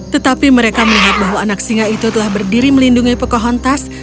tetapi mereka melihat bahwa anak singa itu telah berdiri melindungi pokontas